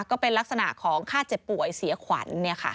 ก็เป็นลักษณะของค่าเจ็บป่วยเสียขวัญ